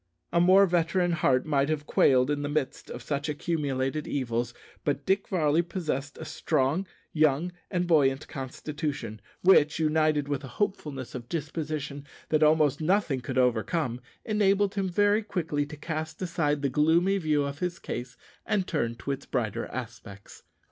A more veteran heart might have quailed in the midst of such accumulated evils; but Dick Varley possessed a strong, young, and buoyant constitution, which, united with a hopefulness of disposition that almost nothing could overcome, enabled him very quickly to cast aside the gloomy view of his case and turn to its brighter aspects.